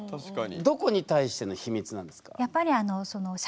どこに対しての秘密なんですか？